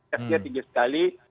tesnya tinggi sekali